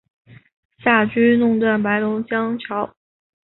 夏军弄断白龙江桥。